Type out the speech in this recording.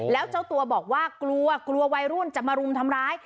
แล้วเจ้าตัวบอกว่ากลัวกลัววัยรุ่นจะมารุมทำร้าย